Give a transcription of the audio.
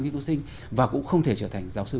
nghiên cứu sinh và cũng không thể trở thành giáo sư